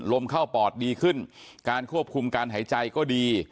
เข้าปอดดีขึ้นการควบคุมการหายใจก็ดี